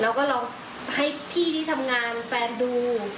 เราก็เลยอ่าวลองมาทำและให้พี่ที่ทำงานแฟนดู